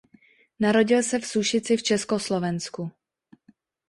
Narodil se v Sušici v Československu.